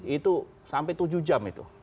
itu sampai tujuh jam itu